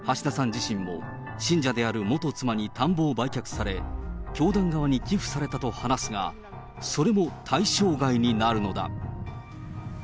自身も信者である元妻に田んぼを売却され、教団側に寄付されたと話すが、それも対象外になるのだ。